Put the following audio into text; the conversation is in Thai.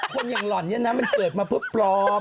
คนอย่างหล่อนเย็นน่ะมันเปิดมาเพราะพร้อม